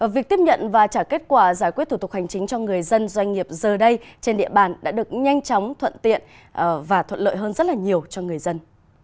việc tiếp nhận và trả kết quả giải quyết thủ tục hành chính cho người dân doanh nghiệp giờ đây trên địa bàn đã được nhanh chóng thuận tiện và thuận lợi hơn rất là nhiều cho người dân